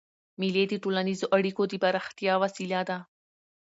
مېلې د ټولنیزو اړیکو د پراختیا وسیله ده.